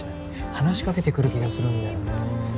話しかけてくる気がするんだよね